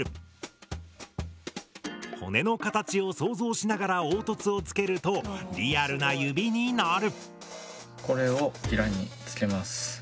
骨の形を想像しながら凹凸をつけるとリアルな指になる。